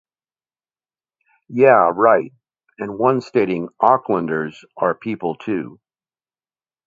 Yeah Right' and one stating 'Aucklanders are people too.